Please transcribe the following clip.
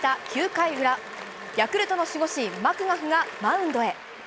９回裏、ヤクルトの守護神、マクガフがマウンドへ。